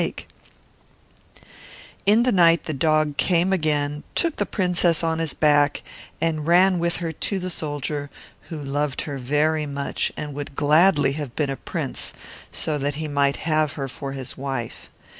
During the night, the dog came again and carried the princess on his back, and ran with her to the soldier, who loved her very much, and wished that he had been a prince, so that he might have her for a wife.